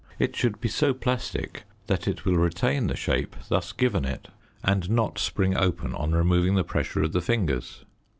It should be so plastic that it will retain the shape thus given it and not spring open on removing the pressure of the fingers.